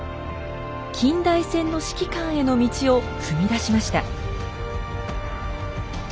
近代戦の指揮官への道を踏み出しました。